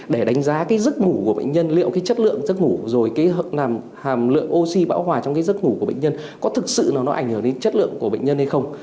để đánh giá cái giấc ngủ của bệnh nhân liệu cái chất lượng giấc ngủ rồi cái hàm lượng oxy bão hòa trong cái giấc ngủ của bệnh nhân có thực sự là nó ảnh hưởng đến chất lượng của bệnh nhân hay không